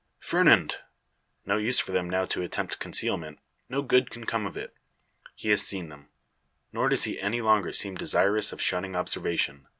"Fernand!" No use for them now to attempt concealment; no good can come of it. He has seen them. Nor does he any longer seem desirous of shunning observation.